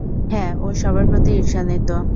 হ্যাঁ, ও সবার প্রতিই ঈর্ষান্বিত।